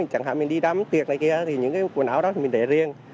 chẳng hạn mình đi đám tiệc này kia thì những cái quần áo đó mình để riêng